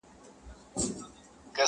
چي یې زړه شي په هغه اور کي سوځېږم!!